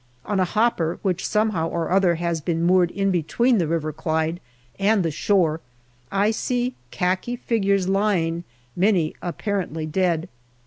On a hopper which somehow or other has been moored in between the River Clyde and the shore I see khaki figures lying, many apparently dead.